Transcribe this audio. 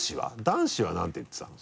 男子は何て言ってたの？